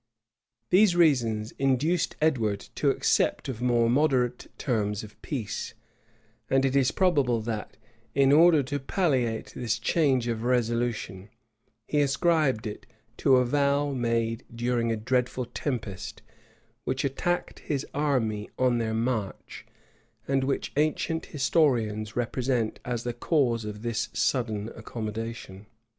These reasons induced Edward to accept of more moderate terms of peace; and it is probable that, in order to palliate this change of resolution, he ascribed it to a vow made during a dreadful tempest, which attacked his army on their march, and which ancient historians represent as the cause of this sudden accommodation.